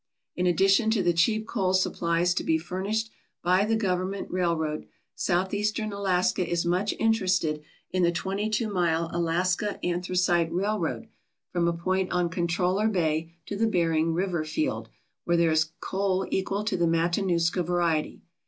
In addition to the cheap coal supplies to be furnished by the government railroad, Southeastern Alaska is much interested in the twenty two mile Alaska Anthracite Railroad from a point on Controller Bay to the Bering River field where there is coal equal to the Matanuska variety.